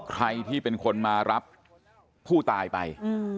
ใครที่เป็นคนมารับผู้ตายไป